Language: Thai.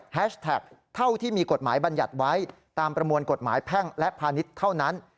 แท็กเท่าที่มีกฎหมายบรรยัติไว้ตามประมวลกฎหมายแพ่งและพาณิชย์เท่านั้น